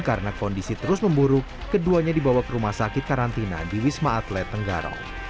karena kondisi terus memburuk keduanya dibawa ke rumah sakit karantina di wisma atlet tenggarong